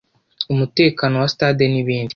umutekano wa stade n’ibindi